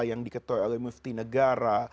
yang diketuai oleh mufti negara